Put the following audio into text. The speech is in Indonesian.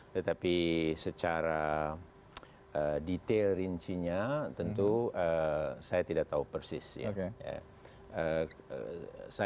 tetapi secara detail rincinya tentu saya tidak tahu persis ya